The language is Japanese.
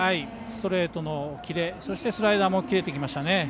ストレートのキレそしてスライダーも切れてきましたね。